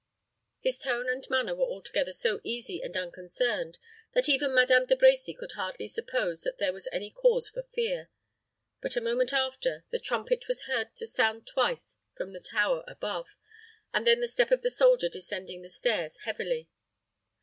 His tone and manner were altogether so easy and unconcerned, that even Madame De Brecy could hardly suppose that there was any cause for fear; but, a moment after, the trumpet was heard to sound twice from the tower above, and then the step of the soldier descending the stairs heavily.